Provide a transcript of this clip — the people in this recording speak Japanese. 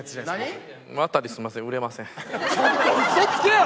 ちょっと嘘つけよ！